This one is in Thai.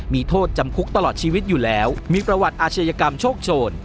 มีโทษจำคุกตลอดชีวิตอยู่แล้วมีประวัติอาชญากรรมโชคโชน